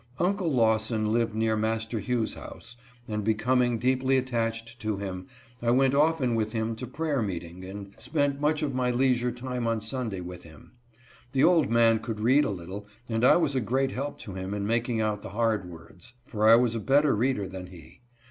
Uncle Lawson lived near Master Hugh's house, and becoming deeply attached to him, I went often with him to prayer meeting and spent much of my leisure time on Sunday with him. The old man could read a little, and I was a great help to him in making out the hard words, for I was a better reader than he.